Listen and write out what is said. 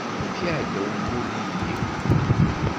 Amek iɛedda umulli-m?